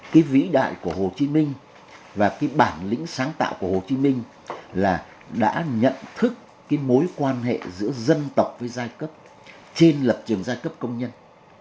cái vĩ đại của hồ chí minh và cái bản lĩnh sáng tạo của hồ chí minh là đã nhận thức cái mối quan hệ giữa dân tộc với giai cấp trên lập trường giai cấp công nhân